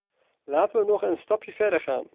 Laten we nog een stapje verder gaan.